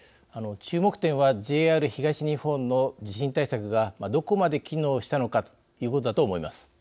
注目点はＪＲ東日本の地震対策がどこまで機能したのかということだと思います。